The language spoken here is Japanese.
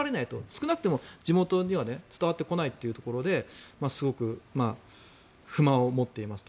少なくとも地元には伝わってこないというところですごく不満を持っていますと。